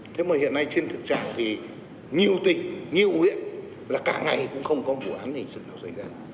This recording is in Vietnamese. thế mà hiện nay trên thực trạng thì nhiều tỉnh nhiều huyện là cả ngày cũng không có vụ án hình sự nào xảy ra